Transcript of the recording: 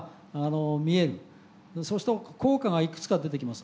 そうすると効果がいくつか出てきます。